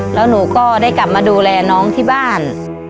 แล้วหนูก็ได้กลับมาดูแลน้องที่บ้าน